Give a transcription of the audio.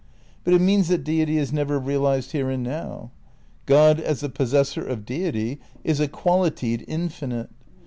But it means that Deity is never realised here and now. "God, as the possessor of Deity ... is a quali tied infinite.